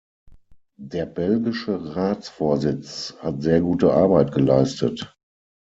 Der belgische Ratsvorsitz hat sehr gute Arbeit geleistet.